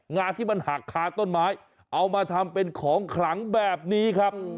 าที่มันหักคาต้นไม้เอามาทำเป็นของขลังแบบนี้ครับ